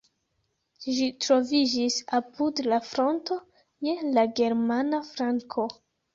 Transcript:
Ĝi troviĝis apud la fronto, je la germana flanko.